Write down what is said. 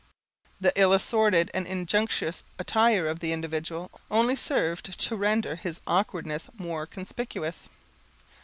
The ill assorted and injudicious attire of the individual only served to render his awkwardness more conspicuous.